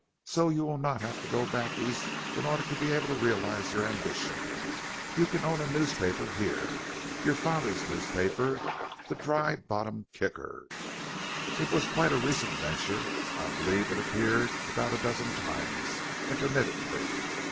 "So you will not have to go back East in order to be able to realize your ambition you can own a newspaper here your father's newspaper the Dry Bottom Kicker. It was quite a recent venture; I believe it appeared about a dozen times intermittently.